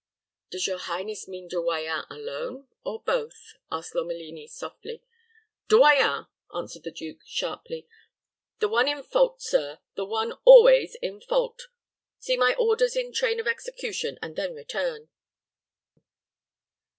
"Does your highness mean De Royans alone or both?" asked Lomelini, softly. "De Royans," answered the duke, sharply. "The one in fault, sir the one always in fault. See my orders in train of execution, and then return."